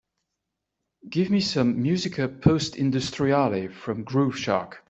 Give me some Musica Post-industriale from Groove Shark